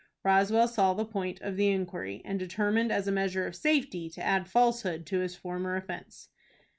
Roswell saw the point of the inquiry, and determined, as a measure of safety, to add falsehood to his former offence.